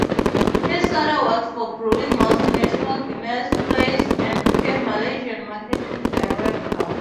His father worked for brewing multinational Guinness plc and became Malaysian marketing director.